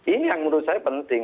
ini yang menurut saya penting